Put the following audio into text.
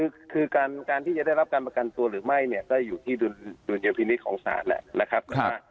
คือการที่จะได้รับการประกันตัวหรือไม่เนี่ยก็อยู่ที่ดุลยพินิษฐ์ของศาลแหละนะครับ